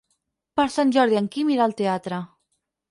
Per Sant Jordi en Quim irà al teatre.